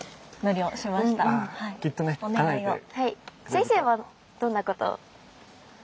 先生はどんなことを？